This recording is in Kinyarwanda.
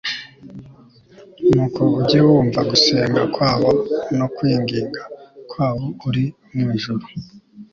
nuko ujye wumva gusenga kwabo no kwinginga kwabo uri mu ijuru